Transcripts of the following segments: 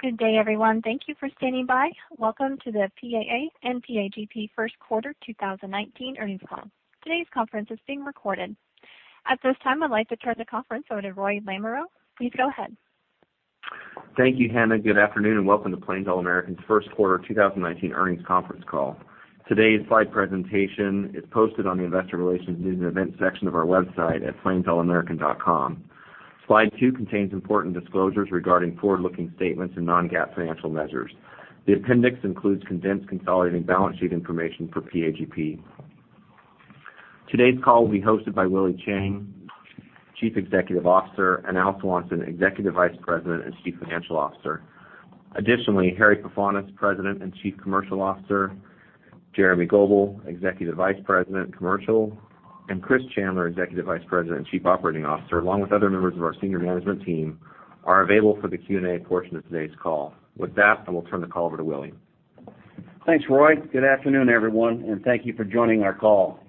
Good day, everyone. Thank you for standing by. Welcome to the PAA and PAGP first quarter 2019 earnings call. Today's conference is being recorded. At this time, I'd like to turn the conference over to Roy Lamoreaux. Please go ahead. Thank you, Hannah. Good afternoon, and welcome to Plains All American's first quarter 2019 earnings conference call. Today's slide presentation is posted on the investor relations news and events section of our website at plainsallamerican.com. Slide two contains important disclosures regarding forward-looking statements and non-GAAP financial measures. The appendix includes condensed consolidated balance sheet information for PAGP. Today's call will be hosted by Willie Chiang, Chief Executive Officer, and Al Swanson, Executive Vice President and Chief Financial Officer. Additionally, Harry Pefanis, President and Chief Commercial Officer, Jeremy Goebel, Executive Vice President, Commercial, and Chris Chandler, Executive Vice President and Chief Operating Officer, along with other members of our senior management team, are available for the Q&A portion of today's call. With that, I will turn the call over to Willie. Thanks, Roy. Good afternoon, everyone, and thank you for joining our call.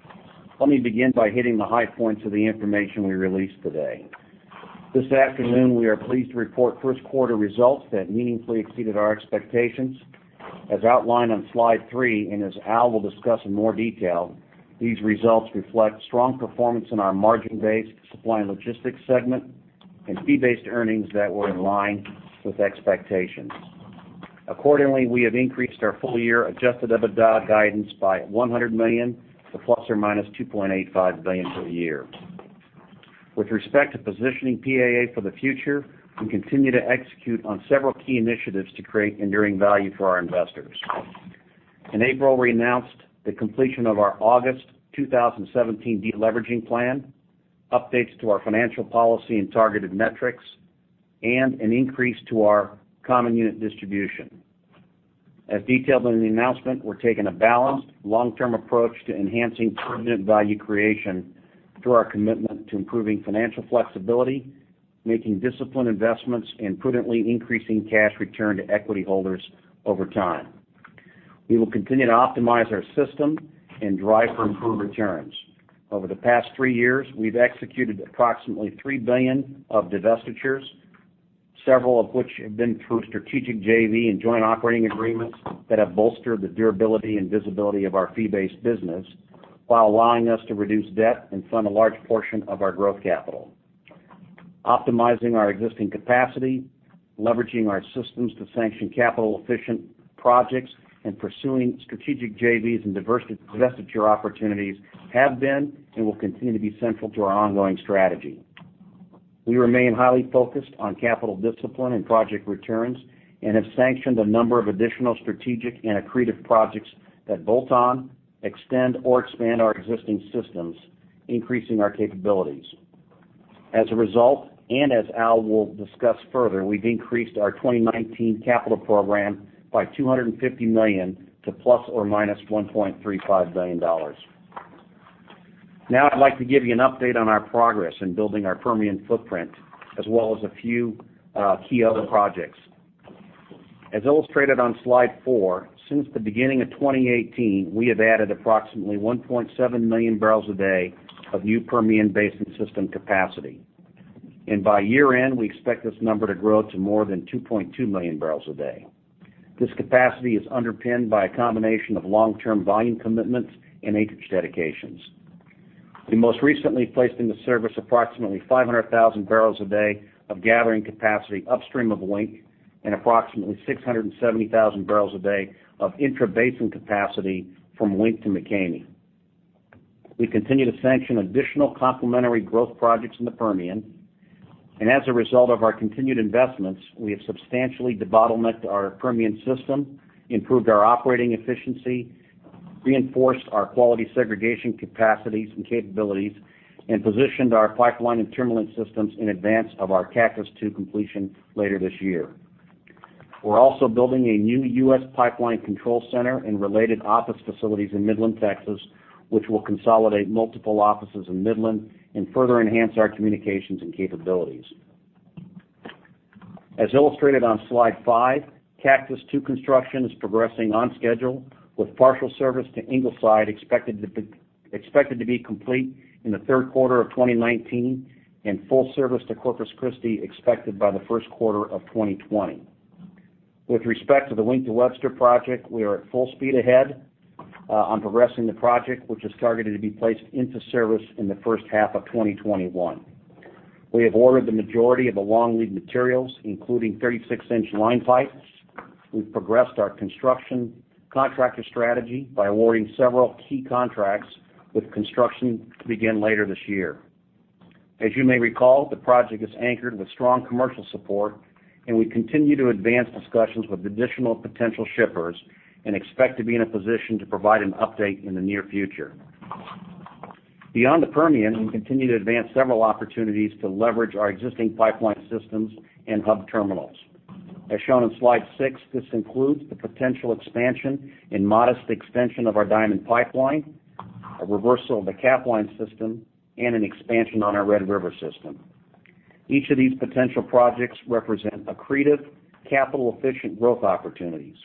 Let me begin by hitting the high points of the information we released today. This afternoon, we are pleased to report first-quarter results that meaningfully exceeded our expectations. As outlined on slide three, and as Al will discuss in more detail, these results reflect strong performance in our margin-based Supply & Logistics segment and fee-based earnings that were in line with expectations. Accordingly, we have increased our full-year adjusted EBITDA guidance by $100 million to ±$2.85 billion for the year. With respect to positioning PAA for the future, we continue to execute on several key initiatives to create enduring value for our investors. In April, we announced the completion of our August 2017 deleveraging plan, updates to our financial policy and targeted metrics, and an increase to our common unit distribution. As detailed in the announcement, we're taking a balanced, long-term approach to enhancing permanent value creation through our commitment to improving financial flexibility, making disciplined investments, and prudently increasing cash return to equity holders over time. We will continue to optimize our system and drive for improved returns. Over the past three years, we've executed approximately $3 billion of divestitures, several of which have been through strategic JV and joint operating agreements that have bolstered the durability and visibility of our fee-based business while allowing us to reduce debt and fund a large portion of our growth capital. Optimizing our existing capacity, leveraging our systems to sanction capital-efficient projects, and pursuing strategic JVs and divestiture opportunities have been and will continue to be central to our ongoing strategy. We remain highly focused on capital discipline and project returns and have sanctioned a number of additional strategic and accretive projects that bolt on, extend, or expand our existing systems, increasing our capabilities. As a result, as Al will discuss further, we've increased our 2019 capital program by $250 million to ±$1.35 billion. I'd like to give you an update on our progress in building our Permian footprint, as well as a few key other projects. As illustrated on slide four, since the beginning of 2018, we have added approximately 1.7 million barrels a day of new Permian Basin system capacity. By year-end, we expect this number to grow to more than 2.2 million barrels a day. This capacity is underpinned by a combination of long-term volume commitments and acreage dedications. We most recently placed into service approximately 500,000 barrels a day of gathering capacity upstream of Wink and approximately 670,000 barrels a day of intrabasin capacity from Wink to McCamey. As a result of our continued investments, we have substantially debottlenecked our Permian system, improved our operating efficiency, reinforced our quality segregation capacities and capabilities, and positioned our pipeline and terminal systems in advance of our Cactus II completion later this year. We're also building a new U.S. pipeline control center and related office facilities in Midland, Texas, which will consolidate multiple offices in Midland and further enhance our communications and capabilities. As illustrated on slide five, Cactus II construction is progressing on schedule, with partial service to Ingleside expected to be complete in the third quarter of 2019 and full service to Corpus Christi expected by the first quarter of 2020. With respect to the Wink to Webster project, we are at full speed ahead on progressing the project, which is targeted to be placed into service in the first half of 2021. We have ordered the majority of the long-lead materials, including 36-inch line pipes. We've progressed our construction contractor strategy by awarding several key contracts, with construction to begin later this year. As you may recall, the project is anchored with strong commercial support. We continue to advance discussions with additional potential shippers and expect to be in a position to provide an update in the near future. Beyond the Permian, we continue to advance several opportunities to leverage our existing pipeline systems and hub terminals. As shown on slide six, this includes the potential expansion and modest extension of our Diamond Pipeline, a reversal of the Capline system, and an expansion on our Red River system. Each of these potential projects represent accretive, capital-efficient growth opportunities.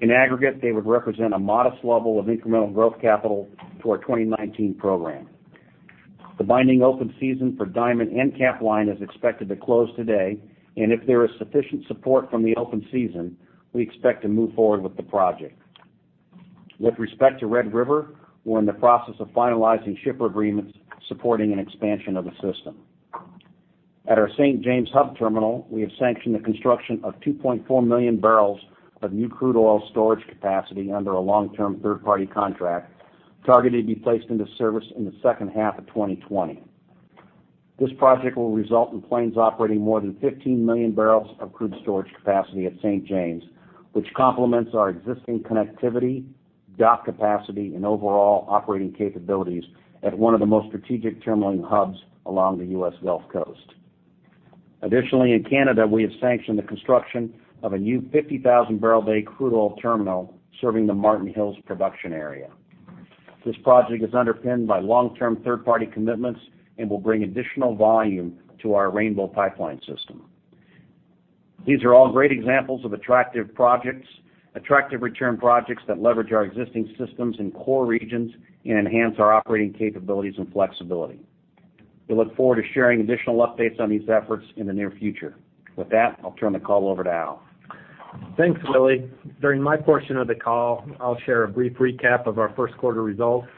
In aggregate, they would represent a modest level of incremental growth capital to our 2019 program. The binding open season for Diamond and Capline is expected to close today. If there is sufficient support from the open season, we expect to move forward with the project. With respect to Red River, we're in the process of finalizing shipper agreements supporting an expansion of the system. At our St. James hub terminal, we have sanctioned the construction of 2.4 million barrels of new crude oil storage capacity under a long-term third-party contract, targeted to be placed into service in the second half of 2020. This project will result in Plains operating more than 15 million barrels of crude storage capacity at St. James, which complements our existing connectivity, dock capacity, and overall operating capabilities at one of the most strategic terminal hubs along the U.S. Gulf Coast. Additionally, in Canada, we have sanctioned the construction of a new 50,000-barrel a day crude oil terminal serving the Martin Hills production area. This project is underpinned by long-term third-party commitments and will bring additional volume to our Rainbow pipeline system. These are all great examples of attractive return projects that leverage our existing systems in core regions and enhance our operating capabilities and flexibility. We look forward to sharing additional updates on these efforts in the near future. With that, I'll turn the call over to Al. Thanks, Willie. During my portion of the call, I'll share a brief recap of our first quarter results,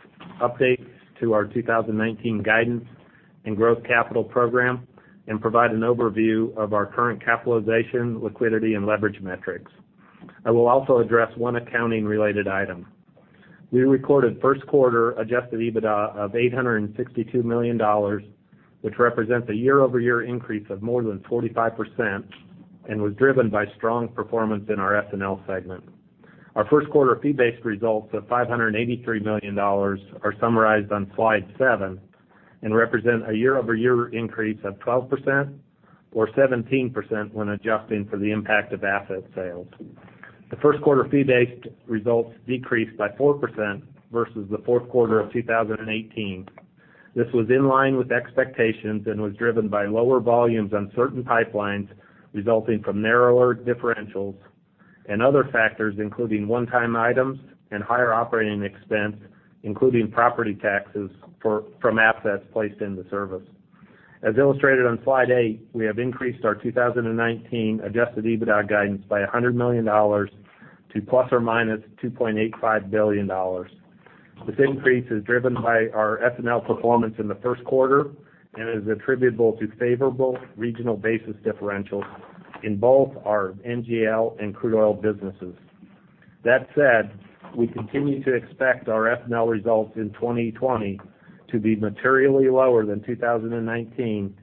updates to our 2019 guidance and growth capital program, and provide an overview of our current capitalization, liquidity, and leverage metrics. I will also address one accounting-related item. We recorded first quarter adjusted EBITDA of $862 million, which represents a year-over-year increase of more than 45% and was driven by strong performance in our S&L segment. Our first quarter fee-based results of $583 million are summarized on slide seven and represent a year-over-year increase of 12%, or 17% when adjusting for the impact of asset sales. The first quarter fee-based results decreased by 4% versus the fourth quarter of 2018. This was in line with expectations and was driven by lower volumes on certain pipelines resulting from narrower differentials and other factors, including one-time items and higher operating expense, including property taxes from assets placed into service. As illustrated on slide eight, we have increased our 2019 adjusted EBITDA guidance by $100 million to ±$2.85 billion. This increase is driven by our S&L performance in the first quarter and is attributable to favorable regional basis differentials in both our NGL and crude oil businesses. We continue to expect our S&L results in 2020 to be materially lower than 2019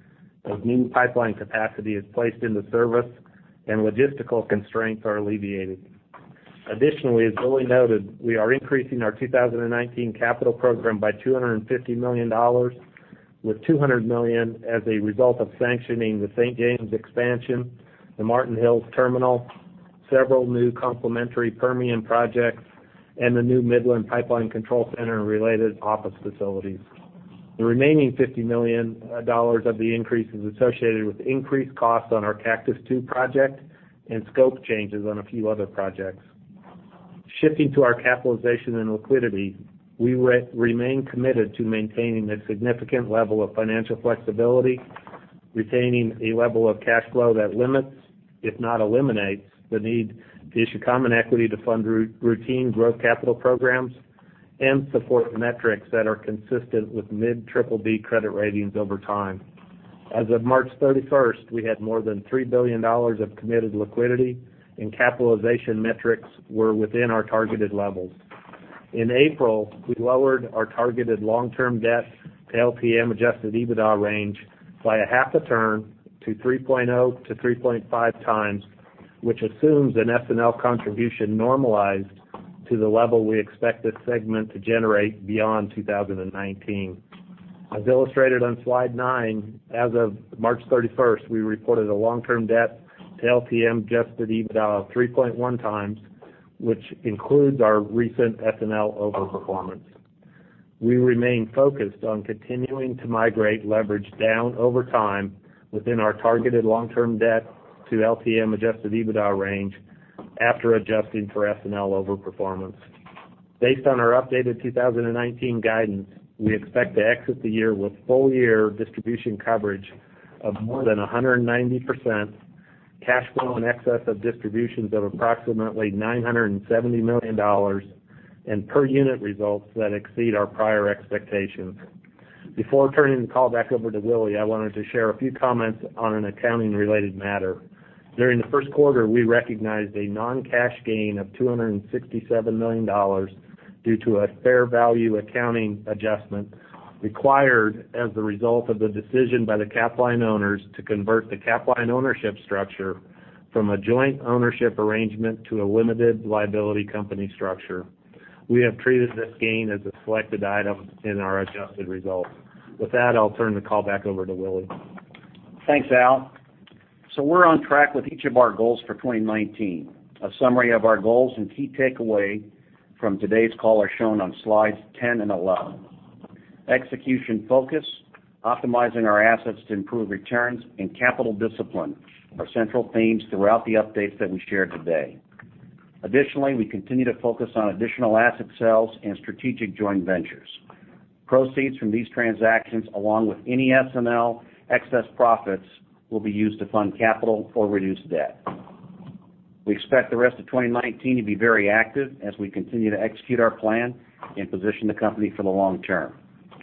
as new pipeline capacity is placed into service and logistical constraints are alleviated. Additionally, as Willie noted, we are increasing our 2019 capital program by $250 million, with $200 million as a result of sanctioning the St. James expansion, the Martin Hills terminal, several new complementary Permian projects, and the new Midland pipeline control center and related office facilities. The remaining $50 million of the increase is associated with increased costs on our Cactus II project and scope changes on a few other projects. Shifting to our capitalization and liquidity, we remain committed to maintaining a significant level of financial flexibility, retaining a level of cash flow that limits, if not eliminates, the need to issue common equity to fund routine growth capital programs and support metrics that are consistent with mid-BBB credit ratings over time. As of March 31st, we had more than $3 billion of committed liquidity, and capitalization metrics were within our targeted levels. In April, we lowered our targeted long-term debt to LTM adjusted EBITDA range by a half a turn to 3.0x to 3.5x, which assumes an S&L contribution normalized to the level we expect this segment to generate beyond 2019. As illustrated on slide nine, as of March 31st, we reported a long-term debt to LTM adjusted EBITDA of 3.1x, which includes our recent S&L overperformance. We remain focused on continuing to migrate leverage down over time within our targeted long-term debt to LTM adjusted EBITDA range after adjusting for S&L overperformance. Based on our updated 2019 guidance, we expect to exit the year with full-year distribution coverage of more than 190%, cash flow in excess of distributions of approximately $970 million, and per-unit results that exceed our prior expectations. Before turning the call back over to Willie, I wanted to share a few comments on an accounting-related matter. During the first quarter, we recognized a non-cash gain of $267 million due to a fair value accounting adjustment required as the result of the decision by the Capline owners to convert the Capline ownership structure from a joint ownership arrangement to a limited liability company structure. We have treated this gain as a selected item in our adjusted results. I'll turn the call back over to Willie. Thanks, Al. We're on track with each of our goals for 2019. A summary of our goals and key takeaway from today's call are shown on slides 10 and 11. Execution focus, optimizing our assets to improve returns, and capital discipline are central themes throughout the updates that we shared today. Additionally, we continue to focus on additional asset sales and strategic joint ventures. Proceeds from these transactions, along with any S&L excess profits, will be used to fund capital or reduce debt. We expect the rest of 2019 to be very active as we continue to execute our plan and position the company for the long term.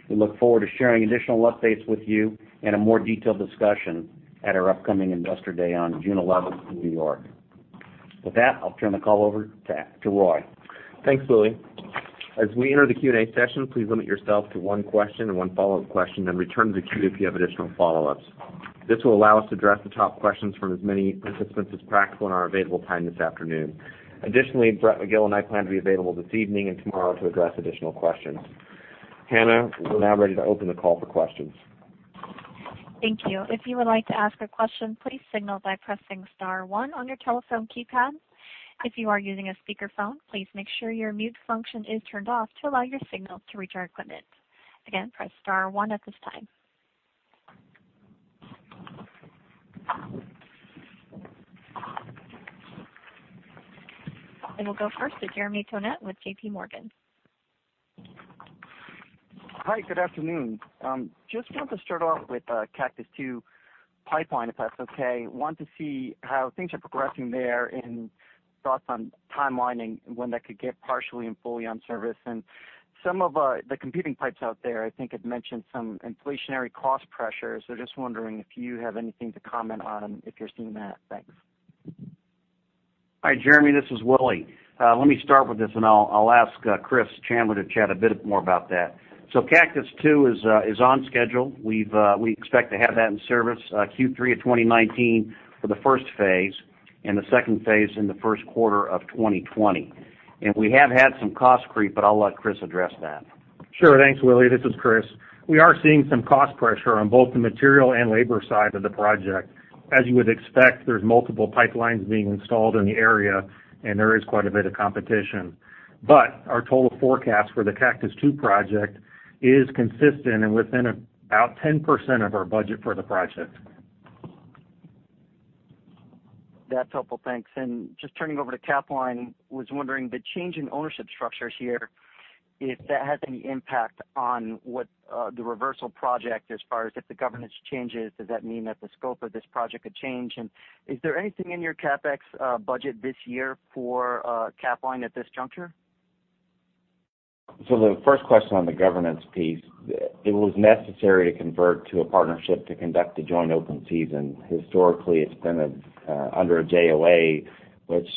We look forward to sharing additional updates with you in a more detailed discussion at our upcoming Investor Day on June 11 in New York. I'll turn the call over to Roy. Thanks, Willie. As we enter the Q&A session, please limit yourself to one question and one follow-up question, return to the queue if you have additional follow-ups. This will allow us to address the top questions from as many participants as practical in our available time this afternoon. Additionally, Brett Magill and I plan to be available this evening and tomorrow to address additional questions. Hannah, we are now ready to open the call for questions. Thank you. If you would like to ask a question, please signal by pressing star one on your telephone keypad. If you are using a speakerphone, please make sure your mute function is turned off to allow your signal to reach our equipment. Again, press star one at this time. We will go first to Jeremy Tonet with J.P. Morgan. Hi, good afternoon. Just wanted to start off with Cactus II Pipeline, if that is okay. Want to see how things are progressing there and thoughts on timelining when that could get partially and fully on service. Some of the competing pipes out there, I think had mentioned some inflationary cost pressures. Just wondering if you have anything to comment on if you are seeing that. Thanks. Hi, Jeremy. This is Willie. Let me start with this, I will ask Chris Chandler to chat a bit more about that. Cactus II is on schedule. We expect to have that in service Q3 of 2019 for the first phase and the second phase in the first quarter of 2020. We have had some cost creep, I will let Chris address that. Sure. Thanks, Willie. This is Chris. We are seeing some cost pressure on both the material and labor side of the project. As you would expect, there's multiple pipelines being installed in the area, and there is quite a bit of competition. Our total forecast for the Cactus II project is consistent and within about 10% of our budget for the project. That's helpful. Thanks. Just turning over to Capline, was wondering, the change in ownership structures here, if that has any impact on what the reversal project as far as if the governance changes, does that mean that the scope of this project could change? Is there anything in your CapEx budget this year for Capline at this juncture? The first question on the governance piece, it was necessary to convert to a partnership to conduct a joint open season. Historically, it's been under a JOA, which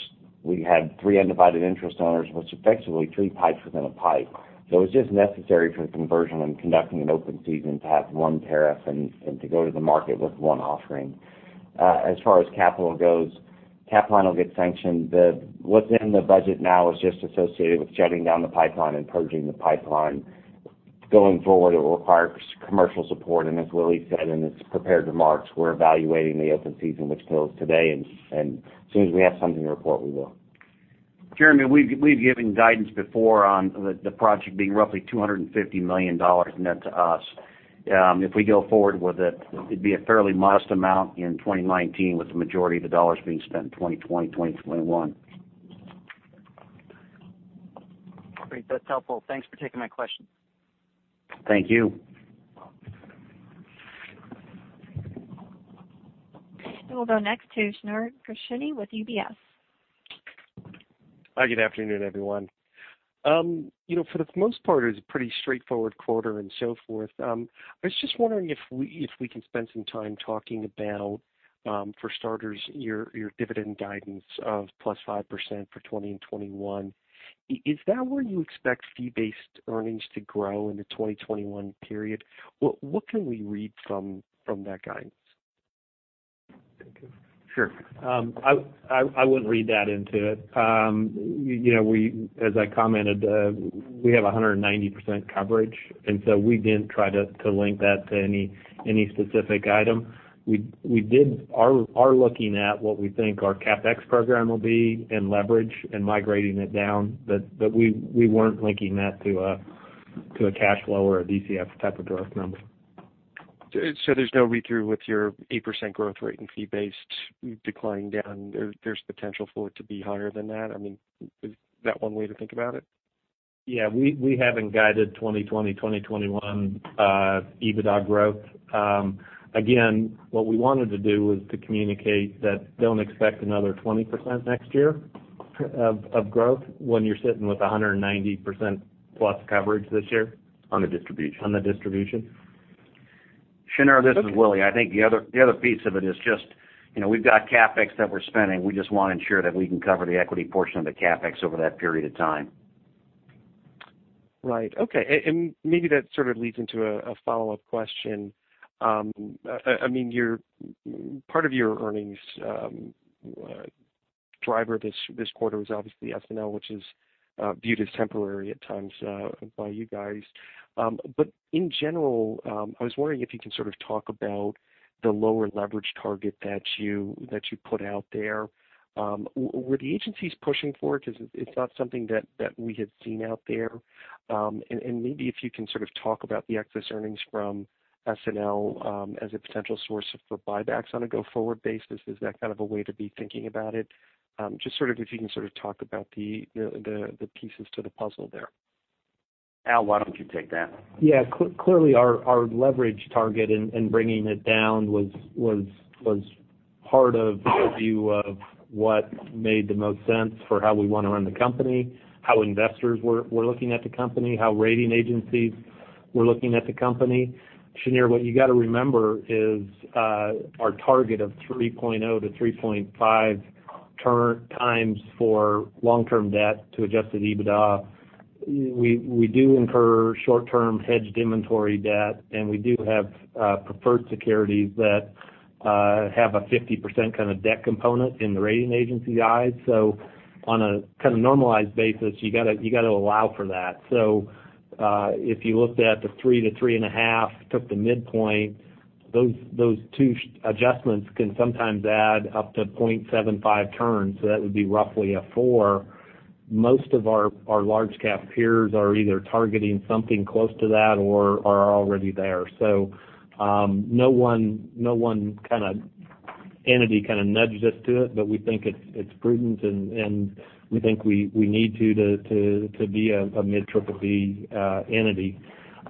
we had three undivided interest owners, which effectively three pipes within a pipe. It was just necessary for the conversion and conducting an open season to have one tariff and to go to the market with one offering. As far as capital goes, Capline will get sanctioned. What's in the budget now is just associated with shutting down the pipeline and purging the pipeline. Going forward, it will require commercial support, and as Willie said in his prepared remarks, we're evaluating the open season, which closed today, and as soon as we have something to report, we will. Jeremy, we've given guidance before on the project being roughly $250 million net to us. If we go forward with it'd be a fairly modest amount in 2019, with the majority of the dollars being spent in 2020, 2021. Great. That's helpful. Thanks for taking my question. Thank you. We'll go next to Shneur Gershuni with UBS. Hi, good afternoon, everyone. For the most part, it was a pretty straightforward quarter and so forth. I was just wondering if we can spend some time talking about, for starters, your dividend guidance of plus 5% for 2020 and 2021. Is that where you expect fee-based earnings to grow into 2021 period? What can we read from that guidance? Sure. I wouldn't read that into it. As I commented, we have 190% coverage, we didn't try to link that to any specific item. We are looking at what we think our CapEx program will be and leverage and migrating it down, we weren't linking that to a cash flow or a DCF type of derived number. There's no read-through with your 8% growth rate in fee-based declining down. There's potential for it to be higher than that. Is that one way to think about it? Yeah. We haven't guided 2020, 2021 EBITDA growth. Again, what we wanted to do was to communicate that don't expect another 20% next year of growth when you're sitting with 190% plus coverage this year. On the distribution. On the distribution. Shneur, this is Willie. I think the other piece of it is just, we've got CapEx that we're spending. We just want to ensure that we can cover the equity portion of the CapEx over that period of time. Right. Okay. Maybe that sort of leads into a follow-up question. Part of your earnings driver this quarter was obviously S&L, which is viewed as temporary at times by you guys. In general, I was wondering if you can sort of talk about the lower leverage target that you put out there. Were the agencies pushing for it? It's not something that we had seen out there. Maybe if you can sort of talk about the excess earnings from S&L as a potential source for buybacks on a go-forward basis. Is that kind of a way to be thinking about it? Just if you can sort of talk about the pieces to the puzzle there. Al, why don't you take that? Clearly, our leverage target and bringing it down was part of our view of what made the most sense for how we want to run the company, how investors were looking at the company, how rating agencies were looking at the company. Shneur, what you got to remember is our target of 3.0-3.5 turn times for long-term debt to adjusted EBITDA. We do incur short-term hedged inventory debt, and we do have preferred securities that have a 50% kind of debt component in the rating agency eyes. On a kind of normalized basis, you got to allow for that. If you looked at the 3 to 3.5, took the midpoint, those two adjustments can sometimes add up to 0.75 turns. That would be roughly a four. Most of our large-cap peers are either targeting something close to that or are already there. No one entity kind of nudged us to it, but we think it's prudent, and we think we need to be a mid-BBB entity.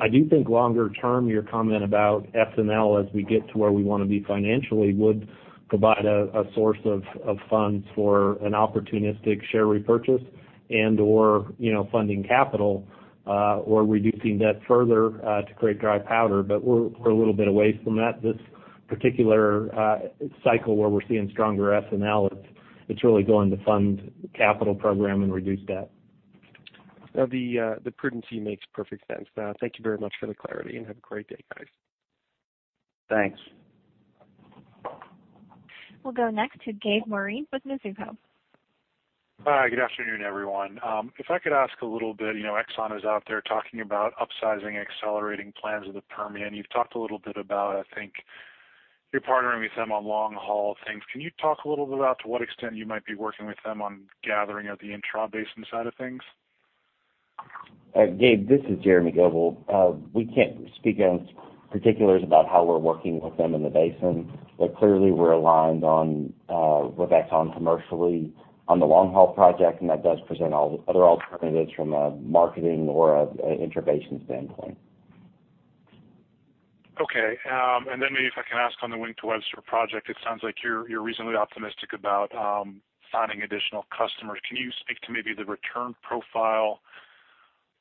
I do think longer term, your comment about S&L as we get to where we want to be financially, would provide a source of funds for an opportunistic share repurchase and/or funding capital, or reducing debt further to create dry powder. We're a little bit away from that. This particular cycle where we're seeing stronger S&L, it's really going to fund the capital program and reduce debt. The prudency makes perfect sense. Thank you very much for the clarity, and have a great day, guys. Thanks. We'll go next to Gabe Moreen with Mizuho. Hi, good afternoon, everyone. If I could ask a little bit, Exxon is out there talking about upsizing, accelerating plans with the Permian. You've talked a little bit about, I think, you're partnering with them on long-haul things. Can you talk a little bit about to what extent you might be working with them on gathering of the intra-basin side of things? Gabe, this is Jeremy Goebel. We can't speak on particulars about how we're working with them in the basin. Clearly, we're aligned on with Exxon commercially on the long-haul project, and that does present other alternatives from a marketing or an intra-basin standpoint. Okay. Then maybe if I can ask on the Wink to Webster project, it sounds like you're reasonably optimistic about finding additional customers. Can you speak to maybe the return profile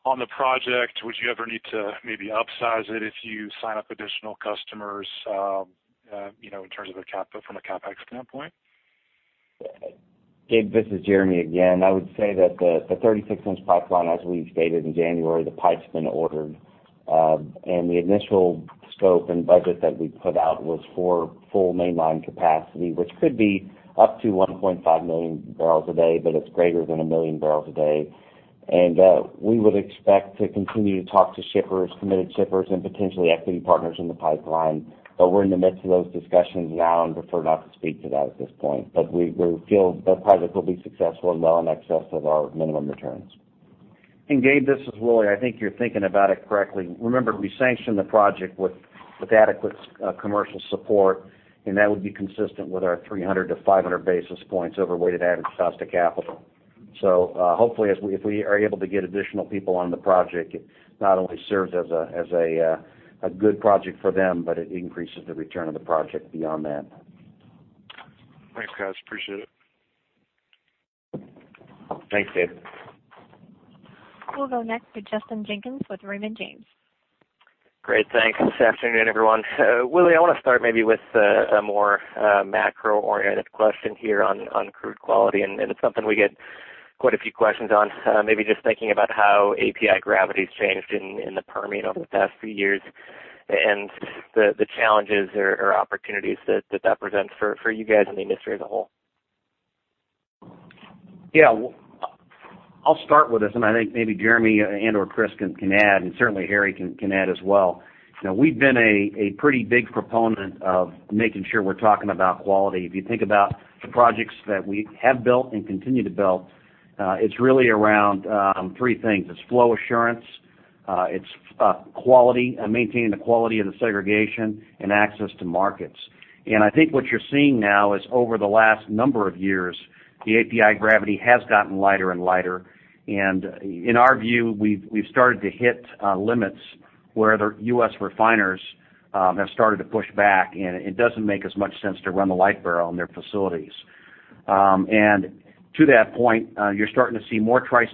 on the project? Would you ever need to maybe upsize it if you sign up additional customers in terms of from a CapEx standpoint? Gabe, this is Jeremy again. I would say that the 36-inch pipeline, as we've stated in January, the pipe's been ordered. The initial scope and budget that we put out was for full mainline capacity, which could be up to 1.5 million barrels a day, but it's greater than 1 million barrels a day. We would expect to continue to talk to committed shippers and potentially equity partners in the pipeline. We're in the midst of those discussions now and prefer not to speak to that at this point. We feel the project will be successful and well in excess of our minimum returns. Gabe, this is Willie. I think you're thinking about it correctly. Remember, we sanctioned the project with adequate commercial support, and that would be consistent with our 300 to 500 basis points over weighted average cost of capital. Hopefully, if we are able to get additional people on the project, it not only serves as a good project for them, but it increases the return of the project beyond that. Thanks, guys. Appreciate it. Thanks, Gabe. We'll go next to Justin Jenkins with Raymond James. Great, thanks. Good afternoon, everyone. Willie, I want to start maybe with a more macro-oriented question here on crude quality. It's something we get quite a few questions on. Maybe just thinking about how API gravity's changed in the Permian over the past few years and the challenges or opportunities that that presents for you guys and the industry as a whole. Yeah. I'll start with this, I think maybe Jeremy and/or Chris can add, and certainly Harry can add as well. We've been a pretty big proponent of making sure we're talking about quality. If you think about the projects that we have built and continue to build, it's really around three things. It's flow assurance, it's maintaining the quality of the segregation, and access to markets. I think what you're seeing now is over the last number of years, the API gravity has gotten lighter and lighter. In our view, we've started to hit limits where the U.S. refiners have started to push back, and it doesn't make as much sense to run the light barrel in their facilities. To that point, you're starting to see more price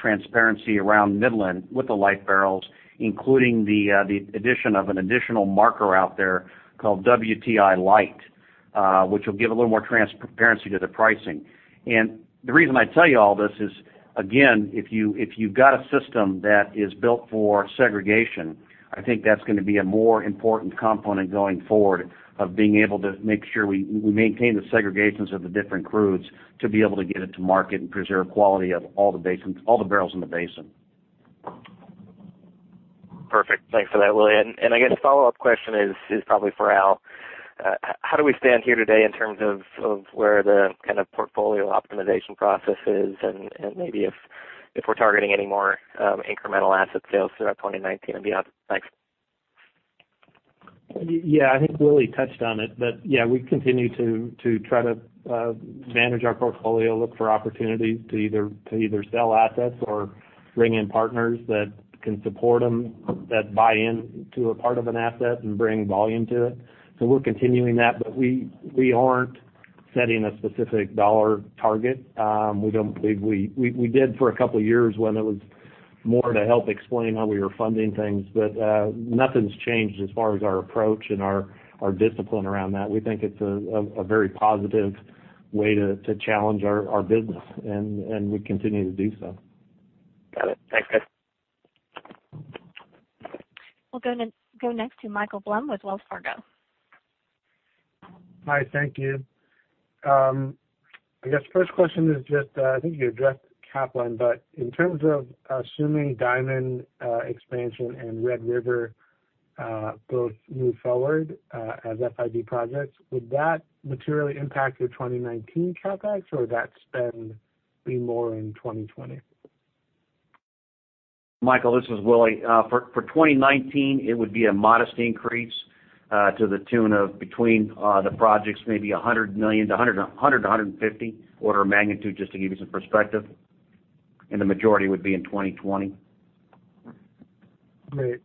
transparency around Midland with the light barrels, including the addition of an additional marker out there called WTI Light, which will give a little more transparency to the pricing. The reason I tell you all this is, again, if you've got a system that is built for segregation, I think that's going to be a more important component going forward of being able to make sure we maintain the segregations of the different crudes to be able to get it to market and preserve quality of all the barrels in the Basin. Perfect. Thanks for that, Willie. I guess a follow-up question is probably for Al. How do we stand here today in terms of where the kind of portfolio optimization process is and maybe if we're targeting any more incremental asset sales throughout 2019 and beyond? Thanks. Yeah, I think Willie touched on it. We continue to try to manage our portfolio, look for opportunities to either sell assets or bring in partners that can support them, that buy in to a part of an asset and bring volume to it. We're continuing that. We aren't setting a specific dollar target. We did for a couple of years when it was more to help explain how we were funding things. Nothing's changed as far as our approach and our discipline around that. We think it's a very positive way to challenge our business, and we continue to do so. Got it. Thanks, guys. We'll go next to Michael Blum with Wells Fargo. Hi, thank you. I guess first question is just, I think you addressed Capline, in terms of assuming Diamond expansion and Red River both move forward as FID projects, would that materially impact your 2019 CapEx or would that spend be more in 2020? Michael, this is Willie. For 2019, it would be a modest increase to the tune of between the projects, maybe $100 million to $100-$150 order of magnitude, just to give you some perspective. The majority would be in 2020. Great.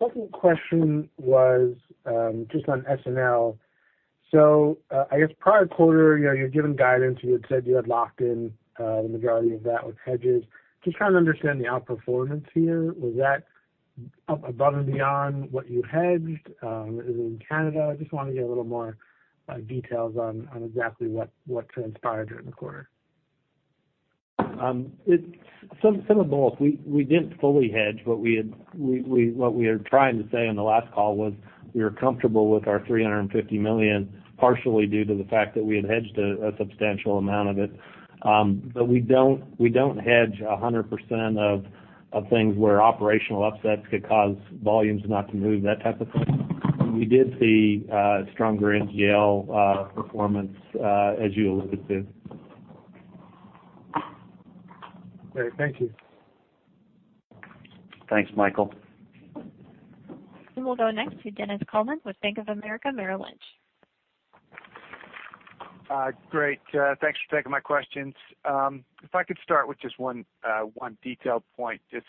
Second question was just on S&L. I guess prior quarter, you're giving guidance, you had said you had locked in the majority of that with hedges. Just trying to understand the outperformance here. Was that up above and beyond what you hedged? Is it in Canada? I just want to get a little more details on exactly what transpired during the quarter. Some of both. We didn't fully hedge. What we are trying to say on the last call was we were comfortable with our $350 million, partially due to the fact that we had hedged a substantial amount of it. We don't hedge 100% of things where operational upsets could cause volumes not to move, that type of thing. We did see stronger NGL performance as you alluded to. Great. Thank you. Thanks, Michael. We'll go next to Dennis Coleman with Bank of America Merrill Lynch. Great. Thanks for taking my questions. If I could start with just one detailed point, just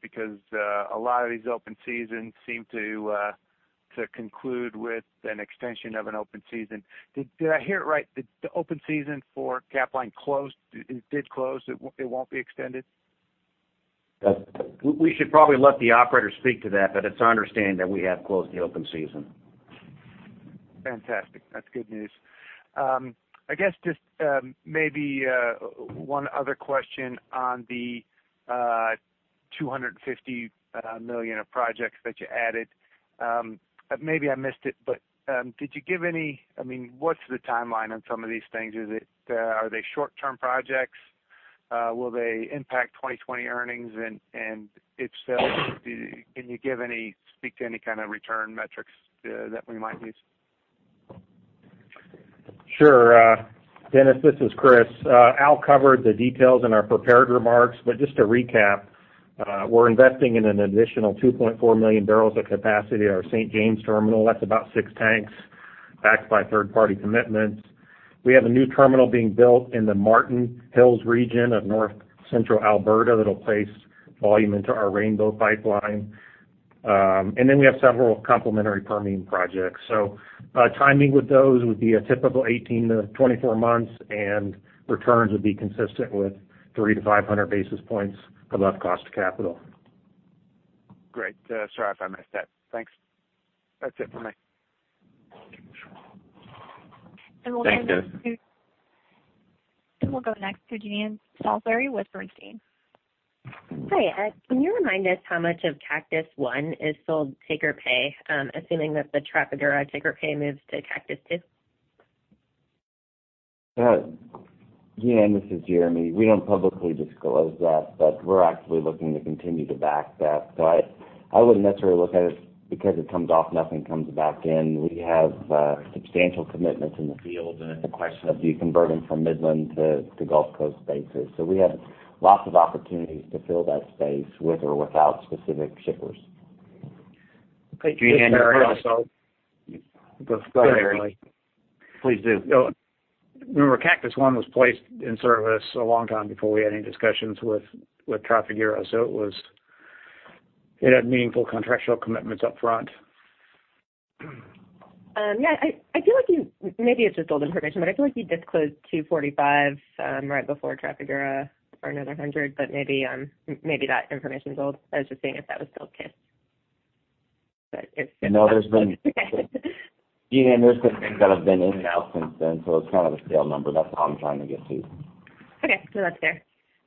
because a lot of these open seasons seem to conclude with an extension of an open season. Did I hear it right? The open season for Capline did close. It won't be extended? We should probably let the operator speak to that. It's our understanding that we have closed the open season. Fantastic. That's good news. I guess just maybe one other question on the $250 million of projects that you added. Maybe I missed it. What's the timeline on some of these things? Are they short-term projects? Will they impact 2020 earnings? If so, can you speak to any kind of return metrics that we might use? Sure. Dennis, this is Chris. Al covered the details in our prepared remarks. Just to recap, we're investing in an additional 2.4 million barrels of capacity at our St. James terminal. That's about six tanks backed by third-party commitments. We have a new terminal being built in the Martin Hills region of North Central Alberta that'll place volume into our Rainbow Pipeline. We have several complementary Permian projects. Timing with those would be a typical 18-24 months, and returns would be consistent with 300-500 basis points above cost of capital. Great. Sorry if I missed that. Thanks. That's it for me. Thanks, Dennis. We'll go next to Jean Salisbury with Bernstein. Hi, Al. Can you remind us how much of Cactus I is still take or pay, assuming that the Trafigura take or pay moves to Cactus II? Jean Ann, this is Jeremy. We don't publicly disclose that, but we're actually looking to continue to back that. I wouldn't necessarily look at it because it comes off, nothing comes back in. We have substantial commitments in the field, and it's a question of do you convert them from Midland to Gulf Coast basis. We have lots of opportunities to fill that space with or without specific shippers. Hey, Jean Ann, can I also. Go ahead, Willie. Please do. Remember, Cactus I was placed in service a long time before we had any discussions with Trafigura. It had meaningful contractual commitments up front. Yeah. Maybe it's just old information. I feel like you disclosed 245 right before Trafigura or another 100. Maybe that information's old. I was just seeing if that was still the case. No, there's been. Okay. Jean Ann, there's been things that have been in and out since then, so it's kind of a scale number. That's what I'm trying to get to. Okay. No, that's fair.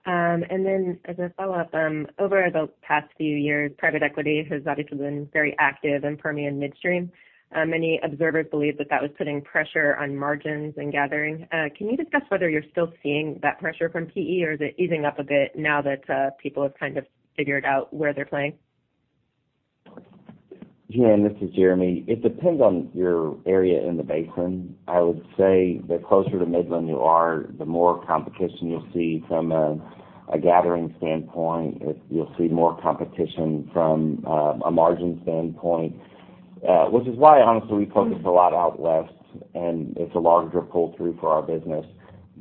Then as a follow-up, over the past few years, private equity has obviously been very active in Permian midstream. Many observers believe that that was putting pressure on margins and gathering. Can you discuss whether you're still seeing that pressure from PE, or is it easing up a bit now that people have kind of figured out where they're playing? Jean Ann, this is Jeremy. It depends on your area in the basin. I would say the closer to Midland you are, the more competition you'll see from a gathering standpoint. You'll see more competition from a margin standpoint. Which is why, honestly, we focus a lot out west, and it's a larger pull-through for our business.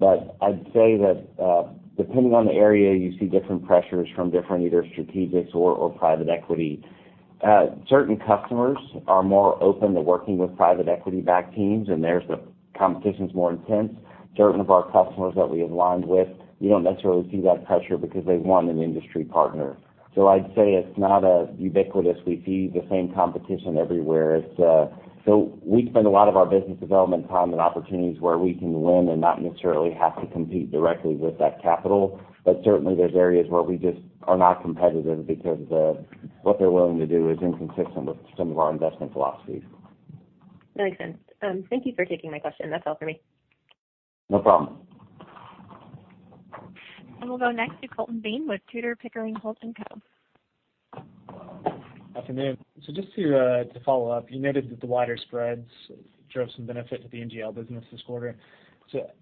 I'd say that, depending on the area, you see different pressures from different either strategics or private equity. Certain customers are more open to working with private equity-backed teams, and there the competition's more intense. Certain of our customers that we aligned with, we don't necessarily see that pressure because they want an industry partner. I'd say it's not as ubiquitous. We see the same competition everywhere. We spend a lot of our business development time and opportunities where we can win and not necessarily have to compete directly with that capital. Certainly, there's areas where we just are not competitive because what they're willing to do is inconsistent with some of our investment philosophies. That makes sense. Thank you for taking my question. That's all for me. No problem. We'll go next to Colton Bean with Tudor, Pickering, Holt & Co. Afternoon. Just to follow up, you noted that the wider spreads drove some benefit to the NGL business this quarter.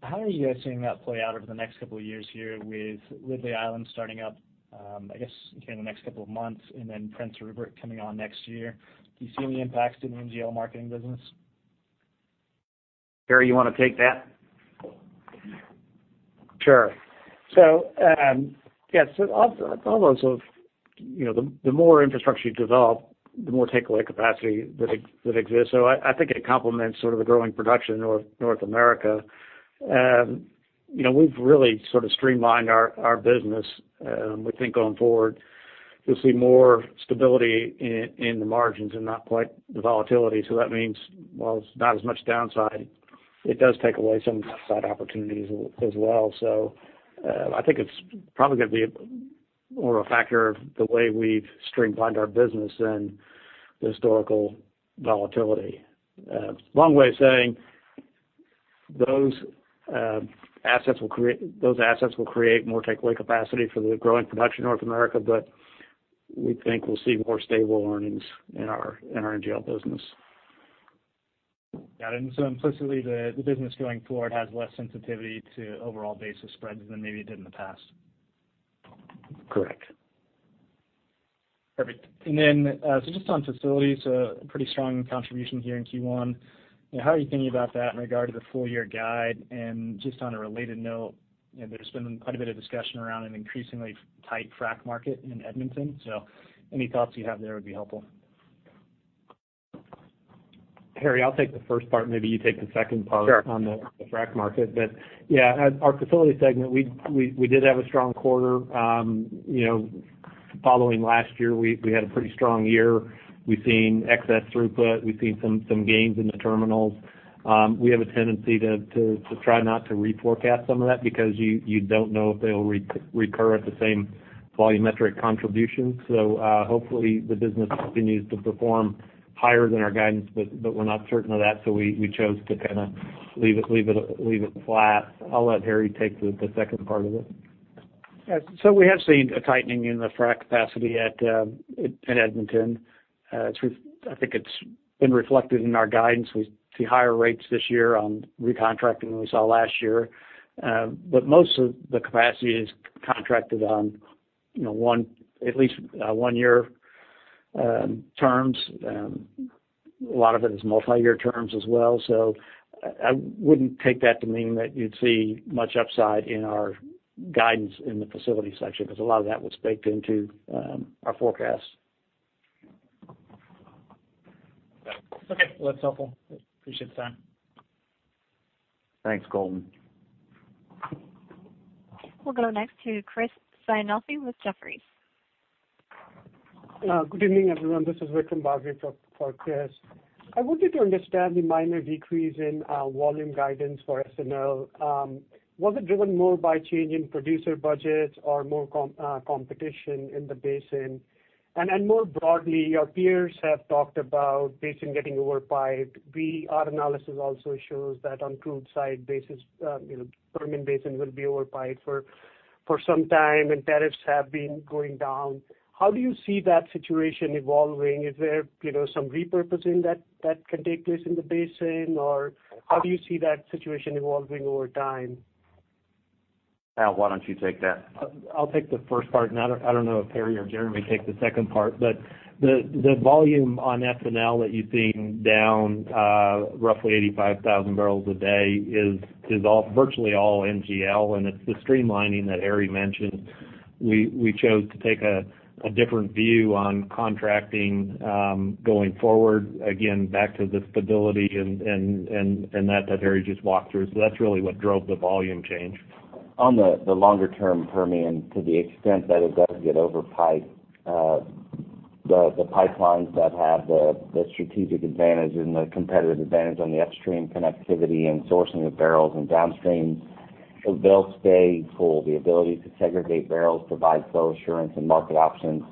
How are you guys seeing that play out over the next couple of years here with Ridley Island starting up, I guess, again, in the next couple of months, and then Prince Rupert coming on next year? Do you see any impacts to the NGL marketing business? Harry, you want to take that? Sure. Yes. The more infrastructure you develop, the more takeaway capacity that exists. I think it complements sort of the growing production in North America. We've really sort of streamlined our business. We think going forward, you'll see more stability in the margins and not quite the volatility. That means while it's not as much downside, it does take away some upside opportunities as well. I think it's probably going to be more a factor of the way we've streamlined our business than the historical volatility. Long way of saying those assets will create more takeaway capacity for the growing production in North America, but we think we'll see more stable earnings in our NGL business. Got it. Implicitly, the business going forward has less sensitivity to overall basis spreads than maybe it did in the past. Correct. Perfect. Just on facilities, a pretty strong contribution here in Q1. How are you thinking about that in regard to the full-year guide? Just on a related note, there's been quite a bit of discussion around an increasingly tight frac market in Edmonton. Any thoughts you have there would be helpful. Harry, I'll take the first part, maybe you take the second part- Sure on the frac market. Our facility segment, we did have a strong quarter. Following last year, we had a pretty strong year. We've seen excess throughput. We've seen some gains in the terminals. We have a tendency to try not to re-forecast some of that because you don't know if they'll recur at the same volumetric contribution. Hopefully the business continues to perform higher than our guidance, but we're not certain of that, so we chose to kind of leave it flat. I'll let Harry take the second part of it. We have seen a tightening in the frac capacity in Edmonton. I think it's been reflected in our guidance. We see higher rates this year on recontracting than we saw last year. Most of the capacity is contracted on at least one-year terms. A lot of it is multi-year terms as well. I wouldn't take that to mean that you'd see much upside in our guidance in the facility section, because a lot of that was baked into our forecast. Okay. Well, that's helpful. Appreciate the time. Thanks, Colton. We'll go next to Chris Sighinolfi with Jefferies. Good evening, everyone. This is Vikram Bhagwat for Chris. I wanted to understand the minor decrease in volume guidance for S&L. Was it driven more by change in producer budgets or more competition in the basin? More broadly, your peers have talked about basin getting over-piped. Our analysis also shows that on crude side basis, Permian Basin will be over-piped for some time and tariffs have been going down. How do you see that situation evolving? Is there some repurposing that can take place in the basin, or how do you see that situation evolving over time? Al, why don't you take that? I'll take the first part, and I don't know if Harry or Jeremy take the second part. The volume on S&L that you've seen down roughly 85,000 barrels a day is virtually all NGL, and it's the streamlining that Harry mentioned. We chose to take a different view on contracting going forward, again, back to the stability and that Harry just walked through. That's really what drove the volume change. On the longer-term Permian, to the extent that it does get over-piped, the pipelines that have the strategic advantage and the competitive advantage on the upstream connectivity and sourcing of barrels and downstream, they'll stay full. The ability to segregate barrels provides flow assurance and market options.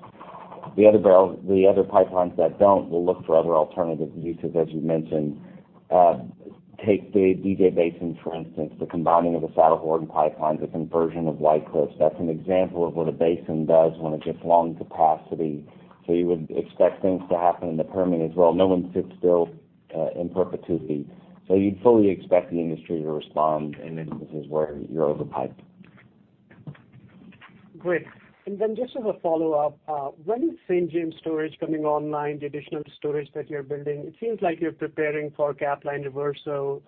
The other pipelines that don't will look for other alternative uses, as you mentioned. Take the DJ Basin, for instance, the combining of the Saddlehorn pipelines and conversion of White Cliffs. That's an example of what a basin does when it gets long capacity. You would expect things to happen in the Permian as well. No one sits still in perpetuity. You'd fully expect the industry to respond in instances where you're over-piped. Great. Just as a follow-up, when is St. James storage coming online, the additional storage that you're building? It seems like you're preparing for Capline reversal,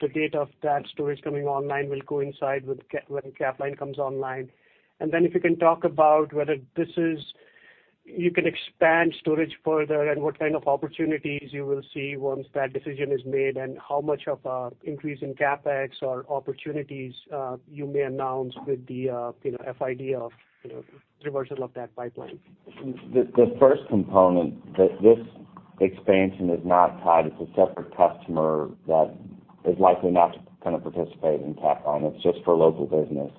the date of that storage coming online will coincide when Capline comes online. If you can talk about whether you can expand storage further and what kind of opportunities you will see once that decision is made, and how much of an increase in CapEx or opportunities you may announce with the FID of reversal of that pipeline. The first component, this expansion is not tied. It's a separate customer that is likely not to participate in Capline. It's just for local business.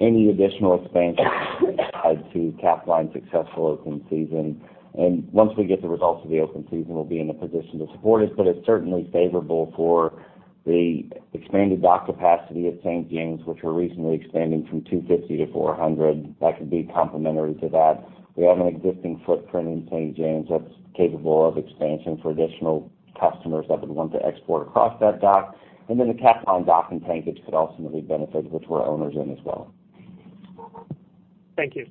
Any additional expansion is tied to Capline successful open season. Once we get the results of the open season, we'll be in a position to support it, but it's certainly favorable for the expanded dock capacity at St. James, which we're recently expanding from 250 to 400. That could be complementary to that. We have an existing footprint in St. James that's capable of expansion for additional customers that would want to export across that dock. The Capline dock and tankage could ultimately benefit, which we're owners in as well. Thank you.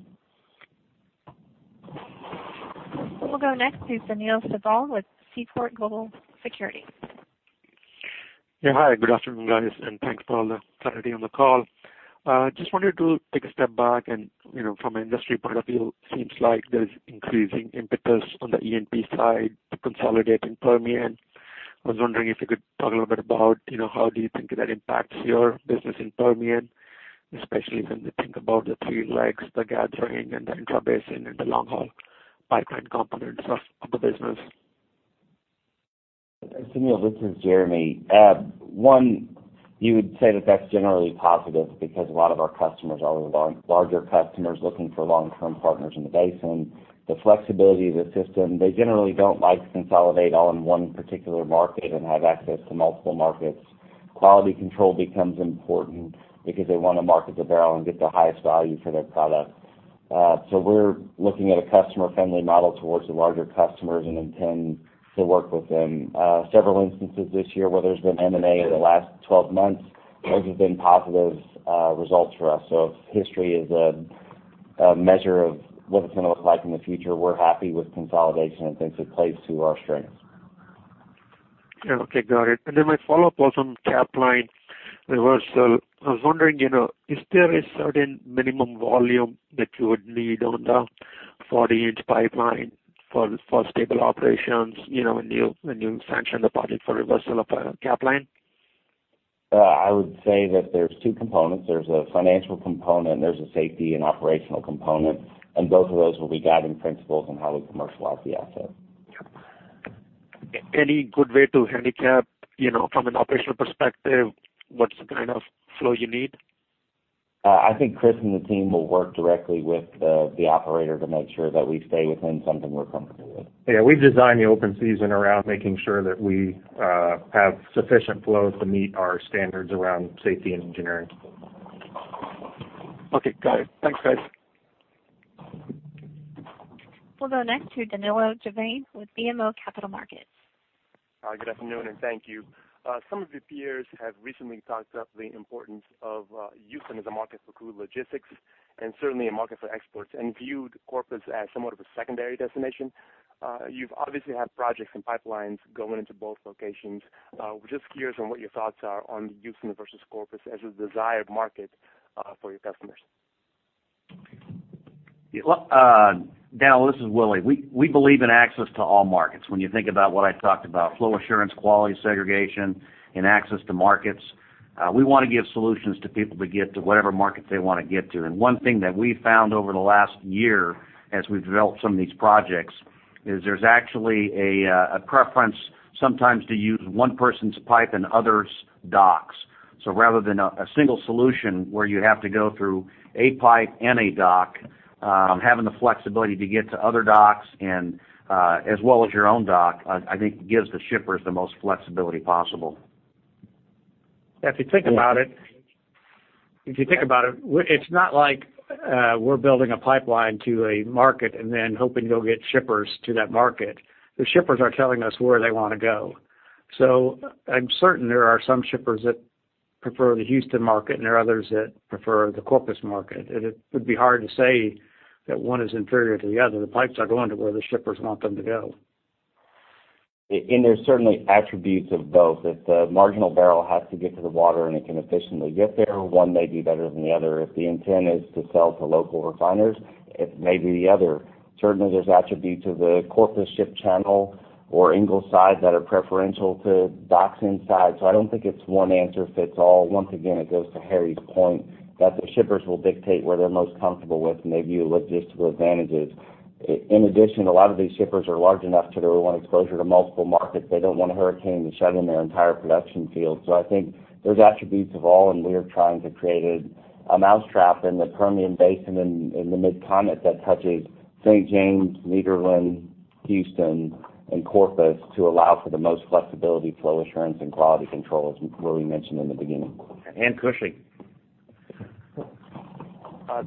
We'll go next to Sunil Sibal with Seaport Global Securities. Yeah, hi, good afternoon, guys, thanks for all the clarity on the call. Just wanted to take a step back from an industry point of view, seems like there's increasing impetus on the E&P side to consolidate in Permian. I was wondering if you could talk a little bit about how do you think that impacts your business in Permian, especially when you think about the three legs, the gathering and the intra-basin and the long-haul pipeline components of the business? Sunil, this is Jeremy. One, you would say that that's generally positive because a lot of our customers are larger customers looking for long-term partners in the basin. The flexibility of the system, they generally don't like to consolidate all in one particular market and have access to multiple markets. Quality control becomes important because they want to market the barrel and get the highest value for their product. We're looking at a customer-friendly model towards the larger customers and intend to work with them. Several instances this year where there's been M&A in the last 12 months, those have been positive results for us. If history is a measure of what it's going to look like in the future, we're happy with consolidation and think it plays to our strengths. Yeah, okay, got it. Then my follow-up was on Capline reversal. I was wondering, is there a certain minimum volume that you would need on the 40-inch pipeline for stable operations when you sanction the project for reversal of Capline? I would say that there's two components. There's a financial component, and there's a safety and operational component, and both of those will be guiding principles on how we commercialize the asset. Yep. Any good way to handicap from an operational perspective what kind of flow you need? I think Chris and the team will work directly with the operator to make sure that we stay within something we're comfortable with. Yeah, we've designed the open season around making sure that we have sufficient flow to meet our standards around safety and engineering. Okay, got it. Thanks, guys. We'll go next to Danilo Gervais with BMO Capital Markets. Hi, good afternoon, and thank you. Some of your peers have recently talked up the importance of Houston as a market for crude logistics and certainly a market for exports and viewed Corpus as somewhat of a secondary destination. You've obviously had projects and pipelines going into both locations. We're just curious on what your thoughts are on Houston versus Corpus as a desired market for your customers. Danilo, this is Willie. We believe in access to all markets. When you think about what I talked about, flow assurance, quality segregation, and access to markets, we want to give solutions to people to get to whatever market they want to get to. One thing that we've found over the last year as we've developed some of these projects is there's actually a preference sometimes to use one person's pipe and others' docks. Rather than a single solution where you have to go through a pipe and a dock, having the flexibility to get to other docks and as well as your own dock, I think gives the shippers the most flexibility possible. If you think about it's not like we're building a pipeline to a market and then hoping you'll get shippers to that market. The shippers are telling us where they want to go. I'm certain there are some shippers that prefer the Houston market, and there are others that prefer the Corpus market. It would be hard to say that one is inferior to the other. The pipes are going to where the shippers want them to go. There's certainly attributes of both. If the marginal barrel has to get to the water and it can efficiently get there, one may be better than the other. If the intent is to sell to local refiners, it may be the other. Certainly, there's attributes of the Corpus ship channel or Ingleside that are preferential to docks inside. I don't think it's one answer fits all. Once again, it goes to Harry's point that the shippers will dictate where they're most comfortable with and they view logistical advantages. In addition, a lot of these shippers are large enough that they want exposure to multiple markets. They don't want a hurricane to shut in their entire production field. I think there's attributes of all, and we are trying to create a mousetrap in the Permian Basin in the Mid-Continent that touches St. James, Nederland, Houston, and Corpus to allow for the most flexibility, flow assurance, and quality control, as Willie mentioned in the beginning. And Cushing.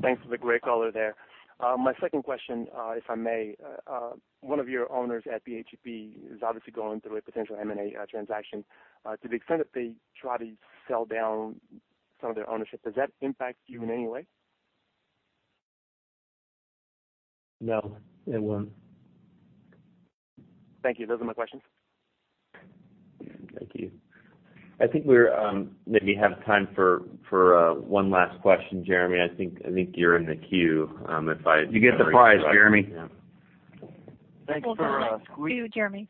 Thanks for the great color there. My second question, if I may. One of your owners at BHP is obviously going through a potential M&A transaction. To the extent that they try to sell down some of their ownership, does that impact you in any way? No, it won't. Thank you. Those are my questions. Thank you. I think we maybe have time for one last question. Jeremy, I think you're in the queue if I- You get the prize, Jeremy. yeah. Hold on. It's you, Jeremy.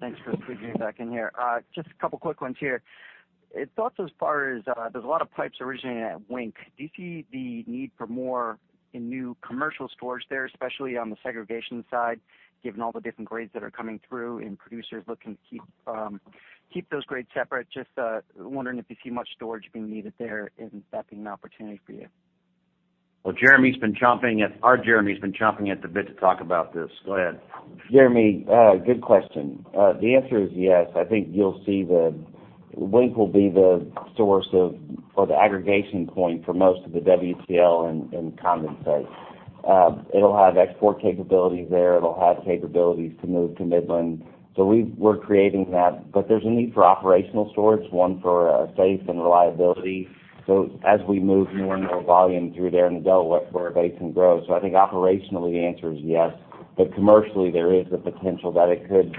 Thanks for squeezing me back in here. Just a couple of quick ones here. Thoughts as far as there's a lot of pipes originating at Wink. Do you see the need for more in new commercial storage there, especially on the segregation side, given all the different grades that are coming through and producers looking to keep those grades separate? Just wondering if you see much storage being needed there, and that being an opportunity for you. Well, our Jeremy has been chomping at the bit to talk about this. Go ahead. Jeremy, good question. The answer is yes. I think you'll see that Wink will be the source of, or the aggregation point for most of the WTL and condensate. It'll have export capabilities there. It'll have capabilities to move to Midland. We're creating that, but there's a need for operational storage, one for safe and reliability. As we move more and more volume through there in the Delaware Basin grows. I think operationally the answer is yes, but commercially there is the potential that it could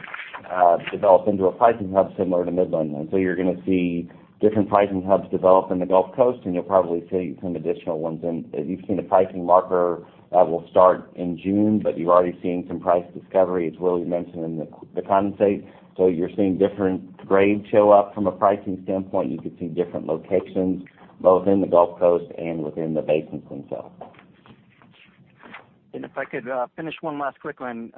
develop into a pricing hub similar to Midland. You're going to see different pricing hubs develop in the Gulf Coast, and you'll probably see some additional ones in. You've seen a pricing marker that will start in June, but you've already seen some price discovery, as Willie mentioned, in the condensate. You're seeing different grades show up from a pricing standpoint. You could see different locations both in the Gulf Coast and within the basins themselves. If I could finish one last quick one.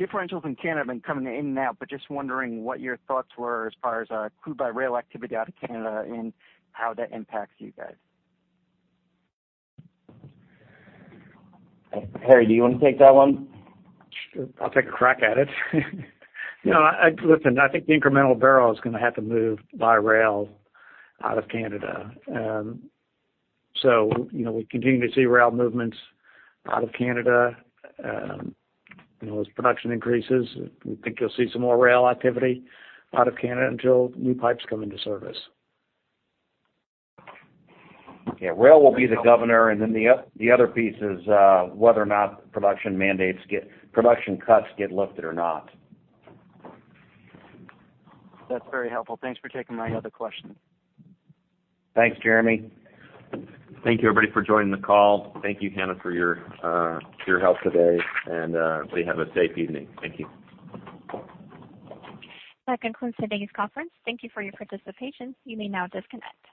Differentials in Canada have been coming in and out, but just wondering what your thoughts were as far as crude by rail activity out of Canada and how that impacts you guys. Harry, do you want to take that one? I'll take a crack at it. Listen, I think the incremental barrel is going to have to move by rail out of Canada. We continue to see rail movements out of Canada. As production increases, we think you'll see some more rail activity out of Canada until new pipes come into service. Yeah, rail will be the governor, and then the other piece is whether or not production cuts get lifted or not. That's very helpful. Thanks for taking my other question. Thanks, Jeremy. Thank you, everybody, for joining the call. Thank you, Hannah, for your help today, and please have a safe evening. Thank you. That concludes today's conference. Thank you for your participation. You may now disconnect.